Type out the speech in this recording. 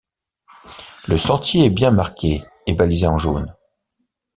Le sentier est bien marqué et balisé en jaune.